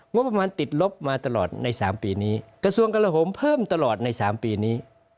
งบประมาณติดลบมาตลอดใน๓ปีนี้กระทรวงกระหมเพิ่มตลอดใน๓ปีนี้